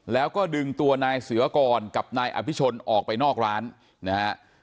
แล้วก็ดึงตัวนายเสือกรกับนายอภิชนออกไปนอกร้านนะฮะ